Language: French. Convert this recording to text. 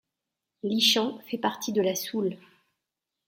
Lichans fait partie de la Soule.